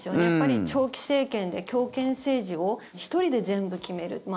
やっぱり長期政権で強権政治を１人で全部決める。